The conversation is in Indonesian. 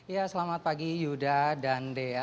ya selamat pagi yuda dan dea